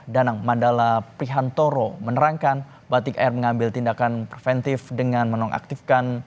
danang mandala prihantoro menerangkan batik air mengambil tindakan preventif dengan menonaktifkan